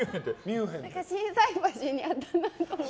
心斎橋にあったなと思って。